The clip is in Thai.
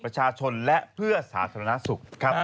แต่ชนและเพื่อสหสนสุข